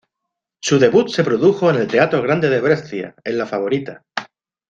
Su debut se produjo en el Teatro Grande de Brescia en "La favorita".